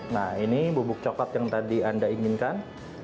nah ini bubuk coklat yang tadi anda inginkan